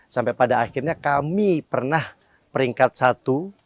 sampai pada akhirnya kami pernah peringkat satu